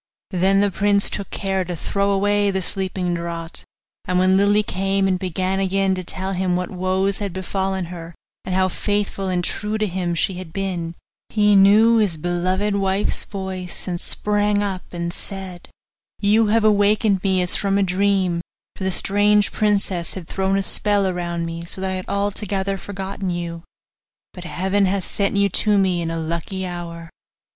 Then the prince took care to throw away the sleeping draught; and when Lily came and began again to tell him what woes had befallen her, and how faithful and true to him she had been, he knew his beloved wife's voice, and sprang up, and said, 'You have awakened me as from a dream, for the strange princess had thrown a spell around me, so that I had altogether forgotten you; but Heaven hath sent you to me in a lucky hour.